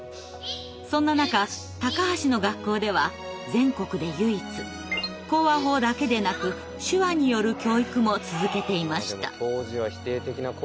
そんな中高橋の学校では全国で唯一口話法だけでなく手話による教育も続けていました。